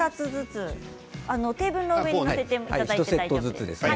テーブルの上に載せていただいていいですか。